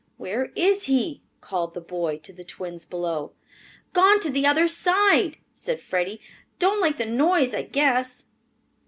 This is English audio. "Where is he?" called the boy, to the twins below. "Gone to the other side," said Freddie. "Don't like the noise, I guess."